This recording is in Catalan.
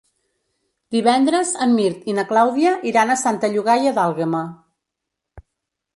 Divendres en Mirt i na Clàudia iran a Santa Llogaia d'Àlguema.